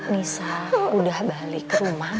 nisa udah balik rumah